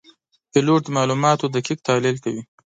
پیلوټ د معلوماتو دقیق تحلیل کوي.